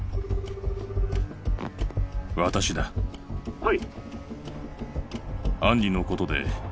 はい。